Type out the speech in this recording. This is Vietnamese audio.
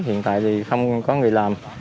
hiện tại thì không có người làm